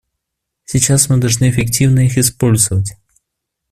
Сейчас мы должны эффективно их использовать.